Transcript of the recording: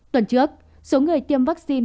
tuần trước số người tiêm vaccine